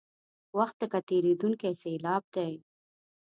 وخت لکه تېرېدونکې سیلاب دی.